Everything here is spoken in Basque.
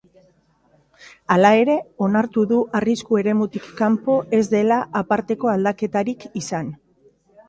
Hala ere, onartu du arrisku eremutik kanpo ez dela aparteko aldaketarik izan.